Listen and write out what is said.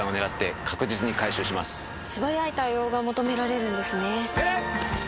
素早い対応が求められるんですね。